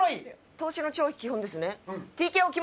『投資の超基本』ですね？